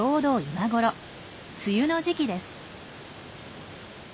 梅雨の時期です。